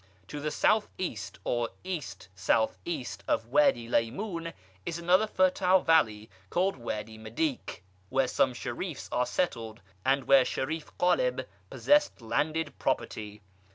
To the South east or East south east of Wady Lymoun is another fertile valley, called Wady Medyk, where some sherifs are settled, and where Sherif Ghaleb possessed landed property.